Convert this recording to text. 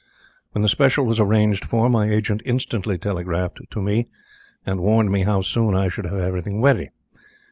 When the special was arranged for, my agent instantly telegraphed to me and warned me how soon I should have everything ready.